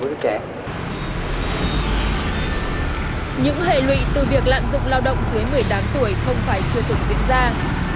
những hệ lụy từ việc lạm dụng lao động dưới một mươi tám tuổi không phải chưa từng diễn ra